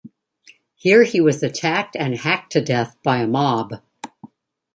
Here he was attacked and hacked to death by a mob.